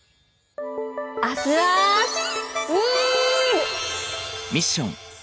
アスアースみール！